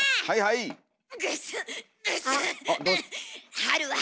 はいはい。